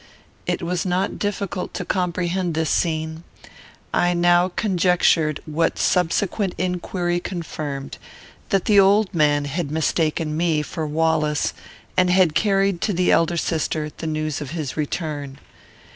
It was not difficult to comprehend this scene. I now conjectured, what subsequent inquiry confirmed, that the old man had mistaken me for Wallace, and had carried to the elder sister the news of his return.